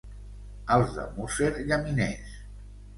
Els de Músser, llaminers.